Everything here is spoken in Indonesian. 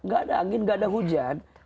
gak ada angin nggak ada hujan